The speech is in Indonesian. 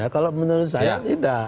kalau menurut saya tidak